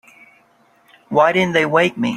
Why didn't they wake me?